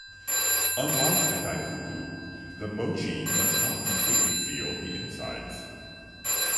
Unlike a "daifuku", the "mochi" must not completely seal the insides.